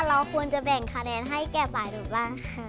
เราควรจะแบ่งคะแนนให้แก่ฝ่ายหนูบ้างค่ะ